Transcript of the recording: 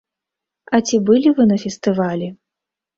А ці былі вы на фестывалі?